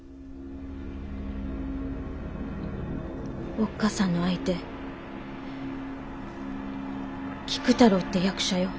おっ母さんの相手菊太郎って役者よ。